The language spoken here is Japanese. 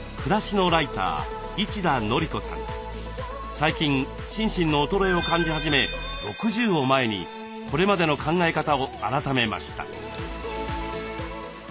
最近心身の衰えを感じ始め６０を前にこれまでの考え方を改めました。